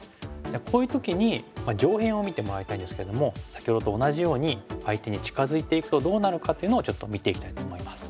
こういう時に上辺を見てもらいたいんですけども先ほどと同じように相手に近づいていくとどうなのかっていうのをちょっと見ていきたいと思います。